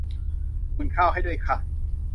อุ่นข้าวให้ด้วยค่ะ